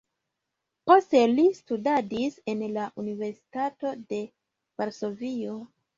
Poste li studadis en la Universitato de Varsovio.